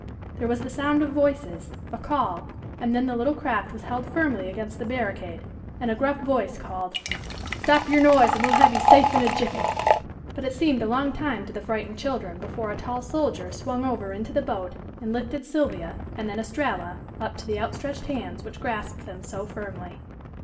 There was the sound of voices, a call, and then the little craft was held firmly against the barricade and a gruff voice called: "Stop your noise, and we'll have you safe in a jiffy." But it seemed a long time to the frightened children before a tall soldier swung over into the boat and lifted Sylvia and then Estralla up to the outstretched hands which grasped them so firmly.